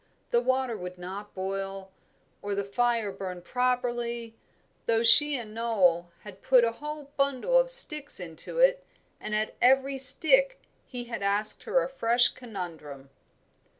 The water would not boil, or the fire burn properly, though she and Noel had put a whole bundle of sticks into it, and at every stick he had asked her a fresh conundrum.